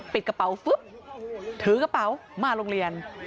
กระเป๋าปุ๊บถือกระเป๋ามาโรงเรียน